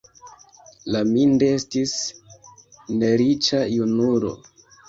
Laminde estis neriĉa junulo.